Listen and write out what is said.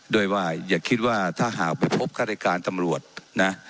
ด้วยว่าอย่าคิดว่าถ้าหากไปพบฆาติการตำรวจนะ